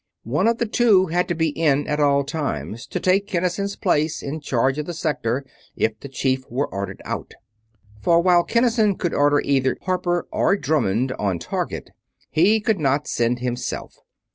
One of the two had to be "in" at all times, to take Kinnison's place in charge of the Sector if the Chief were ordered out. For while Kinnison could order either Harper or Drummond on target, he could not send himself.